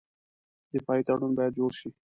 دفاعي تړون باید جوړ شي.